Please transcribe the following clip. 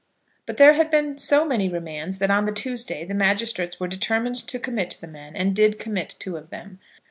But there had been so many remands that on the Tuesday the magistrates were determined to commit the men, and did commit two of them.